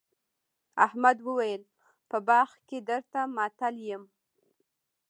احمد وويل: په باغ کې درته ماتل یم.